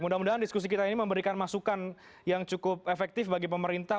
mudah mudahan diskusi kita ini memberikan masukan yang cukup efektif bagi pemerintah